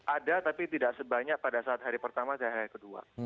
ada tapi tidak sebanyak pada saat hari pertama dan hari kedua